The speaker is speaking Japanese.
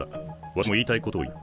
私も言いたいことを言う。